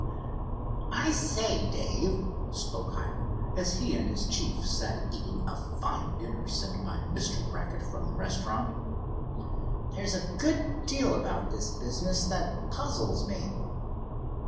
"I say, Dave," spoke Hiram, as he and his chief sat eating a fine dinner sent by Mr. Brackett from the restaurant; "there's a good deal about this business that puzzles me."